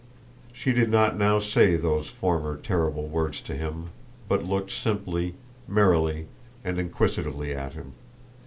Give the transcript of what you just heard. She did not now say those former terrible words to him, but looked simply, merrily, and inquisitively at him.